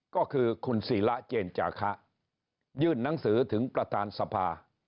ก็คือคุณศิระเจนจาคะยื่นหนังสือถึงประธานสภา